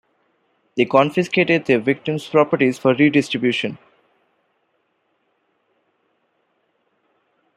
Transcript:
They confiscated their victims' properties for redistribution.